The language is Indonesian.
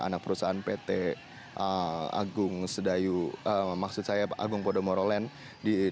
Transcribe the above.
anak perusahaan pt agung kodomoro land